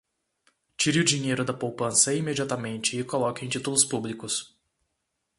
Tire o dinheiro da poupança imediatamente e coloque em títulos públicos